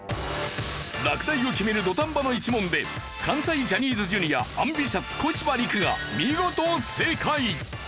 落第を決める土壇場の１問で関西ジャニーズＪｒ．ＡｍＢｉｔｉｏｕｓ小柴陸が見事正解！